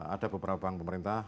ada beberapa bank pemerintah